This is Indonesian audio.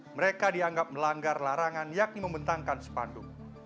mereka dianggap melanggar larangan yakni membentangkan sepanduk